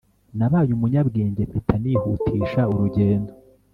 nabaye umunyabwenge mpita nihutisha urugendo